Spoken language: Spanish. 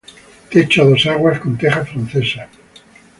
Techo a dos aguas con teja francesa.